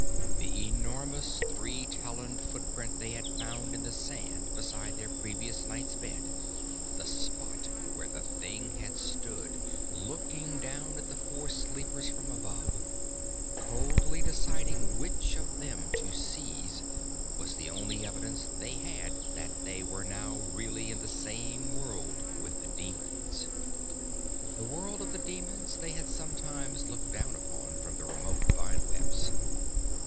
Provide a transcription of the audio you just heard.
The enormous, three taloned footprint they had found in the sand beside their previous night's bed the spot where the thing had stood, looking down at the four sleepers from above, coldly deciding which of them to seize was the only evidence they had that they were now really in the same world with the demons. The world of the demons they had sometimes looked down upon from the remote vine webs.